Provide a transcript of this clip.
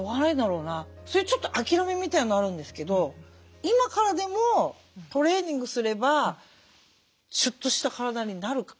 そういうちょっと諦めみたいのあるんですけど今からでもトレーニングすればシュッとした体になるか？